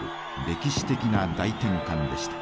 歴史的な大転換でした。